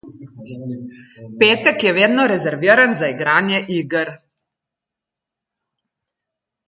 Petek je vedno rezerviran za igranje iger.